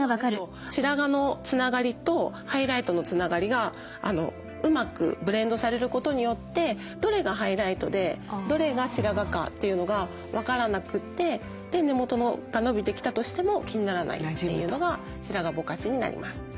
白髪のつながりとハイライトのつながりがうまくブレンドされることによってどれがハイライトでどれが白髪かというのが分からなくてで根元が伸びてきたとしても気にならないというのが白髪ぼかしになります。